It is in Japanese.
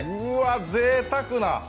うーわ、ぜいたくな。